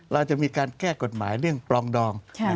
เราจะมีการแก้กฎหมายเรื่องปลองดอง